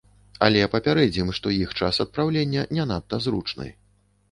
Але папярэдзім, што іх час адпраўлення не надта зручны.